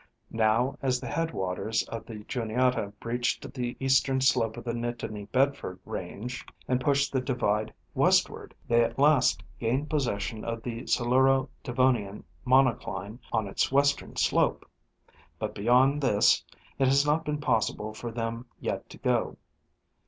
Now as the headwaters 19 248 National Oeographic Magazine. of the Juniata breached the eastern slope of the Nittany Bedf ord range and pushed the divide westward, they at last gained pos session of the Siluro Devonian monocline on its western slope ; but beyond this it has not been possible for them yet to go.